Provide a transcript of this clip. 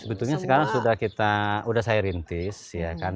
sebetulnya sekarang sudah kita sudah saya rintis ya kan